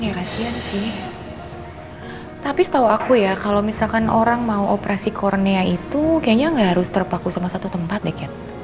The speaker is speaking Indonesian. ya kasian sih tapi setahu aku ya kalau misalkan orang mau operasi kornea itu kayaknya nggak harus terpaku sama satu tempat deh cat